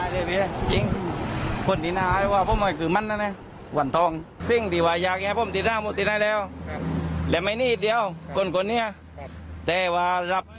เด็กปีน่ะจริงคนทิ้งไหนว่าพวกมันคือมั่นนะนะหวั่นทอง